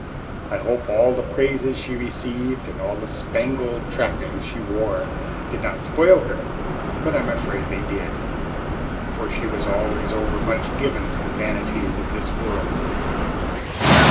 I hope all the praises she received and all the spangled trappings she wore did not spoil her; but I am afraid they did, for she was always over much given to the vanities of this world!